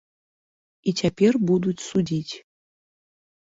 І цяпер будуць судзіць.